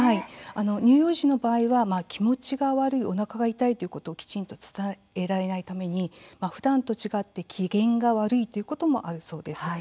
乳幼児の場合は気持ちが悪い、おなかが痛いということをきちんと伝えられないためにふだんと違って機嫌が悪いということもあるそうです。